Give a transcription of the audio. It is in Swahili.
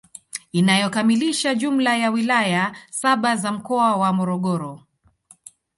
Inayokamilisha jumla ya wilaya saba za mkoa wa Morogoro